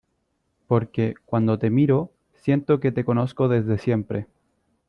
porque, cuando te miro , siento que te conozco desde siempre.